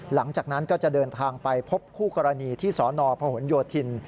หลังจากนั้นก็จะเดินทางไปพบคู่กรณีที่สนพหนโยธิน